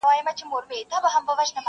په دعا سو د امیر او د خپلوانو؛